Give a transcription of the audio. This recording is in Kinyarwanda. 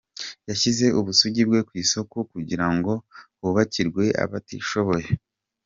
Yashyize ubusugi bwe ku isoko kugira ngo hubakirwe abatishoboye